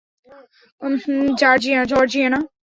Georgia, না!